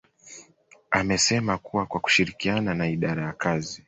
amesema kuwa kwa kushirikiana na idara ya kazi